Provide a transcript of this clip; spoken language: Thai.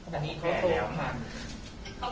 ตอนนี้เขาโทรผ่าน